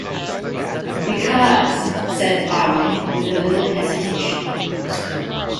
"Because —" said I with a little hesitation.